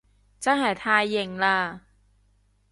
真係太型喇